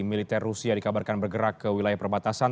militer rusia dikabarkan bergerak ke wilayah perbatasan